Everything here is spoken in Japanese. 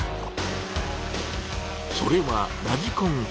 それはラジコンヘリ！